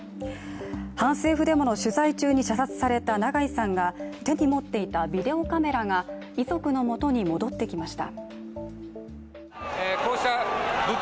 反政府デモの取材中に射殺された長井さんが手に持っていたビデオカメラが遺族のもとに戻ってきました。